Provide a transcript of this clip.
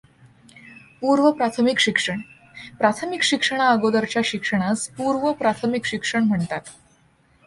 पूर्व प्राथमिक शिक्षण, प्राथमिक शिक्षणाअगोदरच्या शिक्षणास पूर्व प्राथमिक शिक्षण म्हणतात.